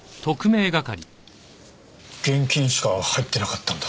現金しか入ってなかったんだ。